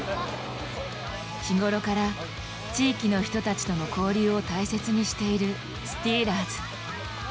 日頃から地域の人たちとの交流を大切にしているスティーラーズ。